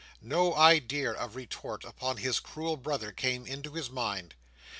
No idea of retort upon his cruel brother came into his mind.